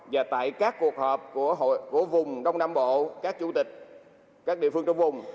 và tại các cuộc họp của vùng đông nam bộ các chủ tịch các địa phương trong vùng